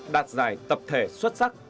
đạt giải tập thể xuất sắc